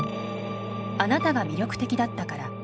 「あなたが魅力的だったから」。